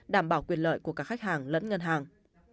đảm bảo quyền lợi của cả khách hàng lẫn ngân hàng